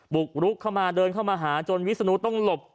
บุกรุกเข้ามาเดินเข้ามาหาจนวิศนุต้องหลบ